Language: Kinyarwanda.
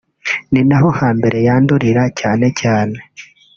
ni naho hambere yandurira cyane cyane